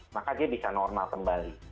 maka dia bisa normal kembali